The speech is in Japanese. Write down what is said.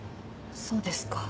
そうですか。